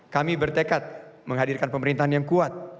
kami bertekad menghadirkan pemerintahan yang kuat